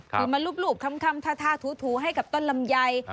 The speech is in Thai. คือมารูปคำทาถูให้กับต้นลำไย